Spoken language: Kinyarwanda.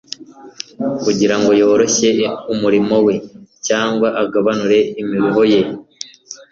kugira ngo yoroshye umurimo we cyangwa agabanure imiruho ye.